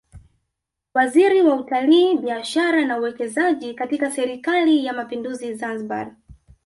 Waziri wa Utalii Biashara na Uwekezaji katika Serikali ya Mapinduzi Zanzibar